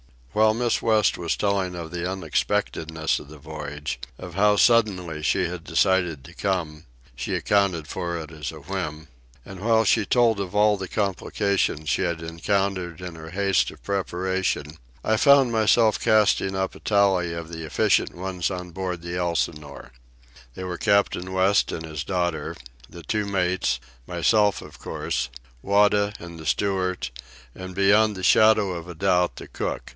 While Miss West was telling of the unexpectedness of the voyage, of how suddenly she had decided to come—she accounted for it as a whim—and while she told of all the complications she had encountered in her haste of preparation, I found myself casting up a tally of the efficient ones on board the Elsinore. They were Captain West and his daughter, the two mates, myself, of course, Wada and the steward, and, beyond the shadow of a doubt, the cook.